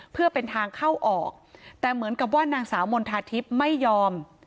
เพื่อเป็นทางเข้าออกแต่เหมือนกับว่านางสาวมณฑาทิพย์ไม่ยอม